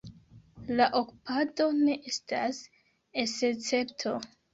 La okupado ne estas escepto.